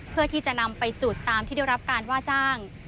เพื่อที่จะนำไปจุดตามที่ได้รับการว่าจ้าง